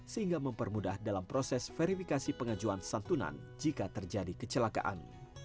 sehingga mempermudah dalam proses verifikasi pengajuan santunan jika terjadi kecelakaan